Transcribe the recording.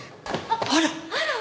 あら！